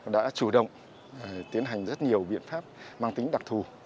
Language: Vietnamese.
đã chủ động tiến hành rất nhiều biện pháp mang tính đặc thù